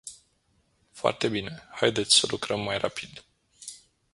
Foarte bine, haideți să lucrăm mai rapid!